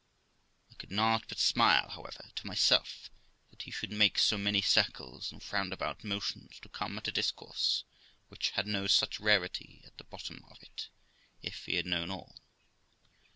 I could not but smile, however, to myself that he should make so many circles and roundabout motions to come at a discourse which had no such rarity at the bottom of it, if he had known all.